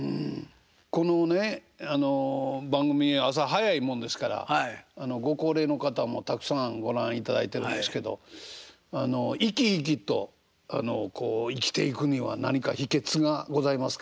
この番組朝早いもんですからご高齢の方もたくさんご覧いただいてるんですけど生き生きと生きていくには何か秘けつがございますか？